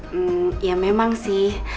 hmm ya memang sih